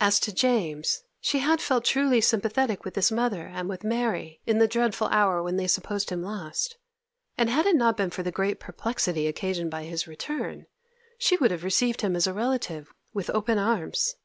As to James, she had felt truly sympathetic with his mother and with Mary in the dreadful hour when they supposed him lost, and had it not been for the great perplexity occasioned by his return she would have received him as a relative with open arms.